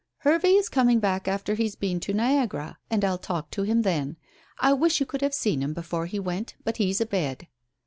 "Hervey is coming back after he's been to Niagara, and I'll talk to him then. I wish you could have seen him before he went, but he's abed."